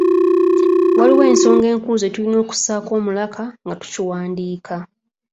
Waliwo ensonga enkulu ze tulina okussaako omulaka nga tukiwandiika.